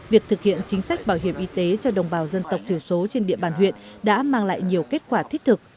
việc thực hiện chính sách bảo hiểm y tế cho đồng bào dân tộc thiểu số trên địa bàn huyện đã mang lại nhiều kết quả thiết thực